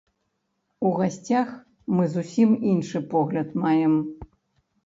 У гасцях мы зусім іншы погляд маем.